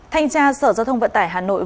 thanh tra sở giao thông vận tải hà nội